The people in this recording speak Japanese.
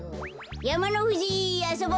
やまのふじあそぼ！